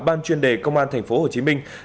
ban chuyên đề công an thành phố hồ chí minh